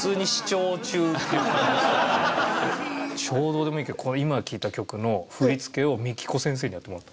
超どうでもいいけどこの今聴いた曲の振り付けをＭＩＫＩＫＯ先生にやってもらった。